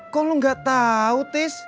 kok lu gak tau tis